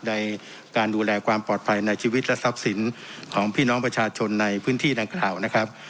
ในการดูแลความปลอดภัยในชีวิตและทรัพย์สินของพี่น้องประชาชนในพื้นที่ดังกล่าวนะครับ